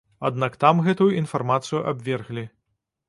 Аднак там гэтую інфармацыю абверглі.